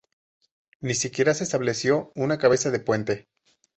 Ni siquiera se estableció una cabeza de puente.